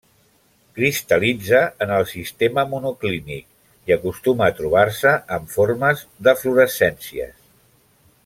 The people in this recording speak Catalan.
Cristal·litza en el sistema monoclínic, i acostuma a trobar-se en forma d'eflorescències.